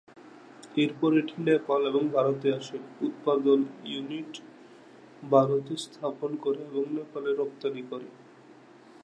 এরপর এটি নেপাল এবং ভারতে আসে, উৎপাদন ইউনিট ভারতে স্থাপন করে এবং নেপালে রফতানি করে।